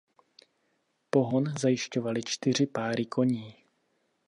Pohon zajišťovaly čtyři páry koní.